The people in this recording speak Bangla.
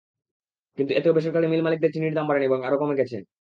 কিন্তু এতেও বেসরকারি মিল মালিকদের চিনির দাম বাড়েনি, বরং আরও কমে গেছে।